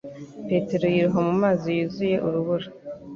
Petero yiroha mu mazi yuzuye urubura